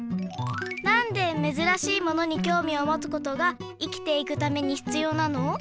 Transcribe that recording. なんでめずらしいものにきょうみをもつことが生きていくためにひつようなの？